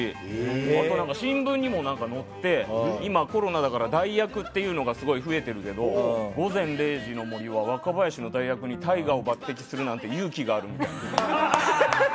あと、新聞にも載って今、コロナだから代役がすごく増えてるけど「午前０時の森」は若林の代役にＴＡＩＧＡを抜擢するなんて勇気があるって。